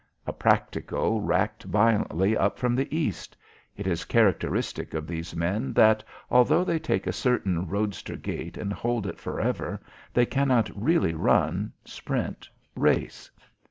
A practico racked violently up from the east. It is characteristic of these men that, although they take a certain roadster gait and hold it for ever, they cannot really run, sprint, race.